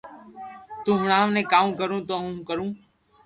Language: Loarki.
تو ھڻاٽو ني ڪاو ڪرو تو ھون ڪرو